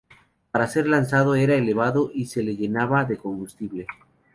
Para ser lanzado era elevado y se le llenaba de combustible.